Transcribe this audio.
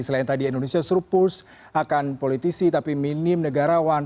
selain tadi indonesia surplus akan politisi tapi minim negarawan